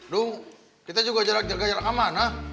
duh kita juga jaga jarak aman ah